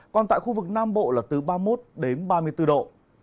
còn tại khu vực nam bộ là từ ba mươi một đến ba mươi bốn độ